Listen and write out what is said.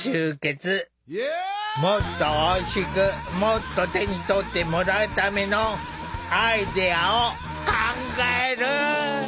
もっとおいしくもっと手に取ってもらうためのアイデアを考える！